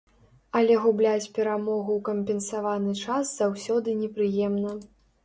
Але губляць перамогу ў кампенсаваны час заўсёды непрыемна.